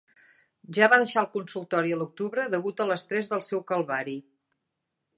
Jas va deixar el consultori a l'octubre degut a l'estrès del seu calvari.